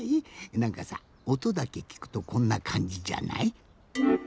なんかさおとだけきくとこんなかんじじゃない？